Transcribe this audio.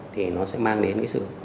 thì nó sẽ mang đến cái sự